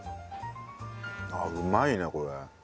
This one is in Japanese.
うまいねこれ。